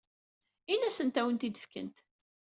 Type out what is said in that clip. Ini-asent ad awen-tt-id-fkent.